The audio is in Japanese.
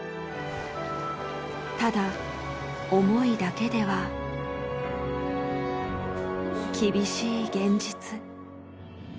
ただ思いだけでは厳しい現実。